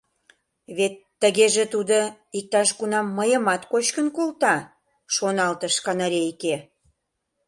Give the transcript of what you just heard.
«Вет тыгеже тудо иктаж-кунам мыйымат кочкын колта», – шоналтыш канарейке.